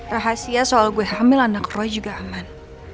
rahasia soal gue hamil anak roy juga aman